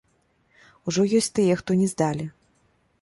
Ужо ёсць тыя, хто не здалі!